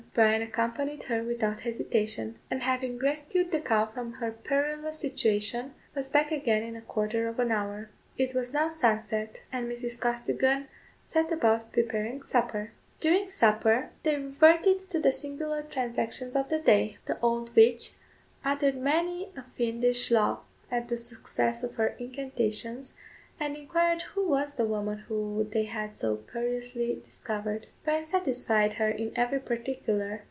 Bryan accompanied her without hesitation; and having rescued the cow from her perilous situation, was back again in a quarter of an hour. It was now sunset, and Mrs. Costigan set about preparing supper. During supper they reverted to the singular transactions of the day. The old witch uttered many a fiendish laugh at the success of her incantations, and inquired who was the woman whom they had so curiously discovered. Bryan satisfied her in every particular.